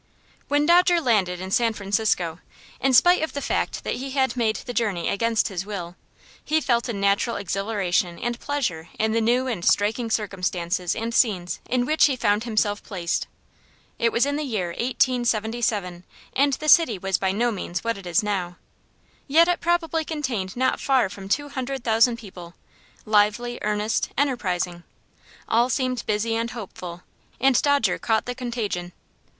When Dodger landed in San Francisco, in spite of the fact that he had made the journey against his will, he felt a natural exhilaration and pleasure in the new and striking circumstances and scenes in which he found himself placed. It was in the year 1877, and the city was by no means what it is now. Yet it probably contained not far from two hundred thousand people, lively, earnest, enterprising. All seemed busy and hopeful, and Dodger caught the contagion.